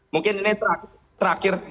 mungkin ini terakhir